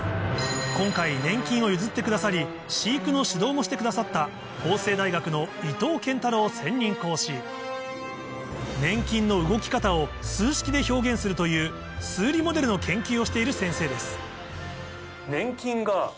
今回粘菌を譲ってくださり飼育の指導もしてくださった粘菌の動き方を数式で表現するという数理モデルの研究をしている先生です